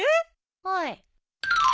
はい。